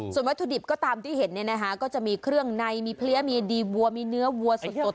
ส่วนวัตถุดิบก็ตามที่เห็นเนี่ยนะคะก็จะมีเครื่องในมีเพลี้ยมีดีวัวมีเนื้อวัวสด